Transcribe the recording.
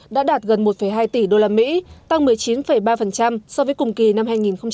đã đạt gần một hai tỷ usd tăng một mươi chín ba so với cùng kỳ năm hai nghìn một mươi chín